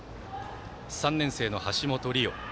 ３年生の橋本理央。